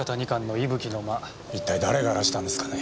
一体誰が荒らしたんですかね？